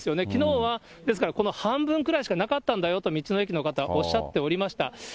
きのうは、ですからこの半分くらいしかなかったんだよと道の駅の方、おっしゃっておりました。